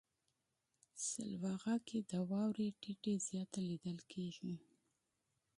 سلواغه کې د واورې ټيټی زیات لیدل کیږي.